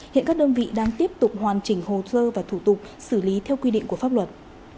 hiện các đơn vị đang tiếp tục hoàn chỉnh hồ sơ và thủ tục xử lý theo quy định của pháp luật